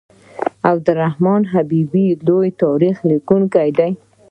عبدالحی حبیبي لوی تاریخ لیکونکی و.